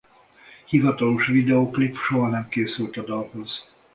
Hivatalos videóklip soha nem készült a dalhoz.